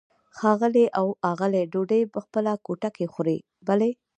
ښاغلی او آغلې ډوډۍ په خپله کوټه کې خوري؟ بلې.